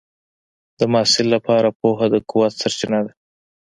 د محصل لپاره پوهه د قوت سرچینه ده.